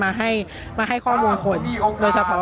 อย่างที่บอกไปว่าเรายังยึดในเรื่องของข้อ